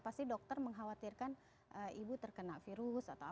pasti dokter mengkhawatirkan ibu terkena virus